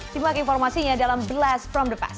simak informasinya dalam blast from the pass